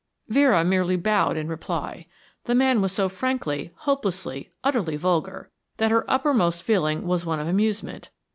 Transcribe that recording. Vera merely bowed in reply. The man was so frankly, hopelessly, utterly vulgar that her uppermost feeling was one of amusement.